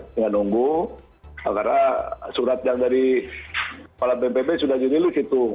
kita nunggu karena surat yang dari kepala bnpb sudah dirilis itu